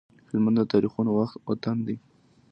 هلمند د تاريخونو وطن دی